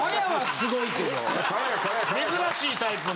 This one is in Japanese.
・珍しいタイプの。